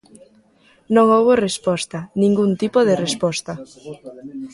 Non houbo resposta, ningún tipo de resposta.